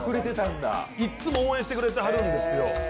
いっつも応援してくれてはるんですよ。